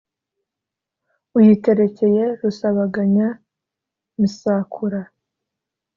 Uyiterekeye Rusabaganya-misakura